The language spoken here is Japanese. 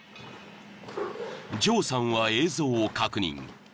［ジョーさんは映像を確認］